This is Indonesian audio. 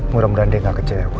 mudah mudahan deh gak kecewa